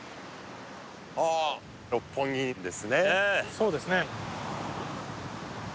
そうですね